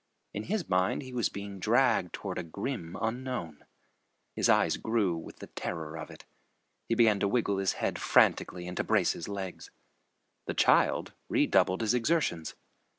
In his mind he was being dragged toward a grim unknown. His eyes grew wild with the terror of it. He began to wiggle his head frantically and to brace his legs. The child redoubled his exertions.